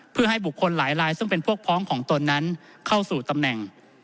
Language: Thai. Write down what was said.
เพื่อให้บุคคลหลายลายซึ่งเป็นพวกพ้องของตนนั้นเข้าสู่ตำแหน่ง